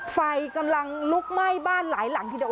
ไฟกำลังลุกไหม้บ้านหลายหลังทีเดียว